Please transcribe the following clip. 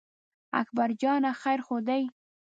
اکبر جانه خیر خو دی.